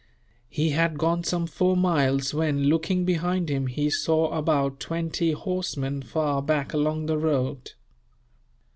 He had gone some four miles when, looking behind him, he saw about twenty horsemen, far back along the road.